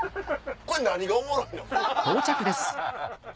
これ何がおもろいの？